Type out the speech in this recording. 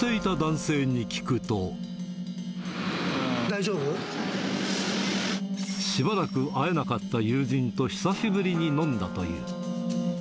大丈夫？しばらく会えなかった友人と久しぶりに飲んだという。